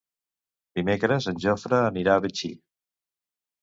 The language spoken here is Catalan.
Dimecres en Jofre anirà a Betxí.